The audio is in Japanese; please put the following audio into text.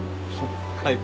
はい。